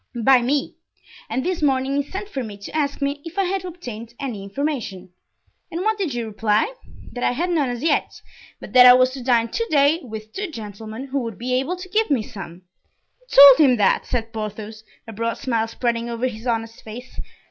"By me; and this morning he sent for me to ask me if I had obtained any information." "And what did you reply?" "That I had none as yet; but that I was to dine to day with two gentlemen, who would be able to give me some." "You told him that?" said Porthos, a broad smile spreading over his honest face.